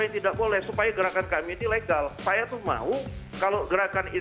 nah sekarang gerakan kami jelas juga disalahin